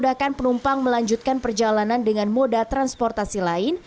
dapat mengurangi kualitas perjalanan dengan moda transportasi lain